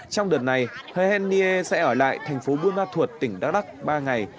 trong đợt này hồ hèn nghê sẽ ở lại thành phố buôn ma thuột tỉnh đắk đắk ba ngày